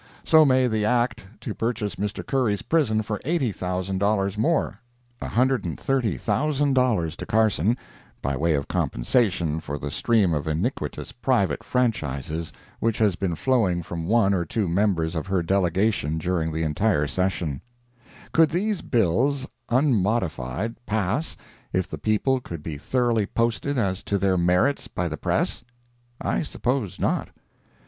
So may the act to purchase Mr. Curry's prison for $80,000 more—$130,000 to Carson, by way of compensation for the stream of iniquitous private franchises which has been flowing from one or two members of her delegation during the entire session. Could these bills, unmodified, pass, if the people could be thoroughly posted as to their merits, by the press? I suppose not.